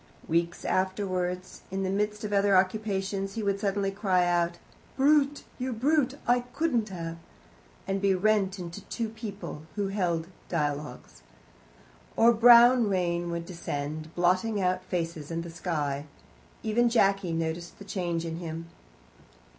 Weeks afterwards, in the midst of other occupations, he would suddenly cry out, "Brute you brute, I couldn't have " and be rent into two people who held dialogues. Or brown rain would descend, blotting out faces and the sky. Even Jacky noticed the change in him.